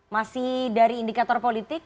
masih dari indikator politik